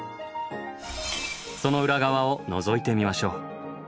その裏側をのぞいてみましょう。